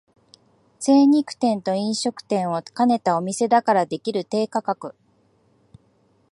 精肉店と飲食店を兼ねたお店だからできる低価格